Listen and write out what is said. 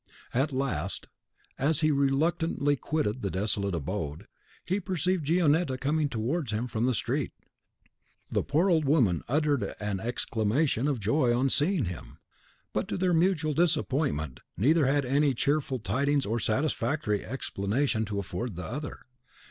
At last, as he reluctantly quitted the desolate abode, he perceived Gionetta coming towards him from the street. The poor old woman uttered an exclamation of joy on seeing him; but, to their mutual disappointment, neither had any cheerful tidings or satisfactory explanation to afford the other.